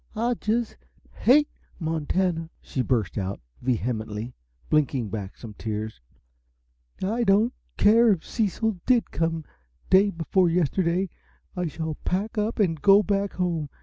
"I just HATE Montana!" she burst out, vehemently, blinking back some tears. "I don't care if Cecil did just come day before yesterday I shall pack up and go back home.